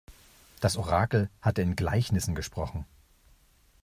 Das Orakel hatte in Gleichnissen gesprochen.